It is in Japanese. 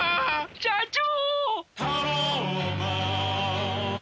社長！